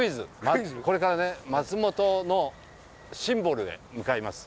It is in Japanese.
これからね松本のシンボルへ向かいます。